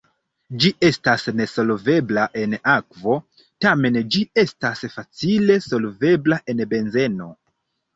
Ĝi estas nesolvebla en akvo, tamen ĝi estas facile solvebla en benzeno.